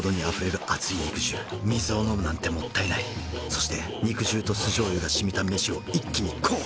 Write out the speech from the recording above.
そして肉汁と酢醤油がしみた飯を一気にこう！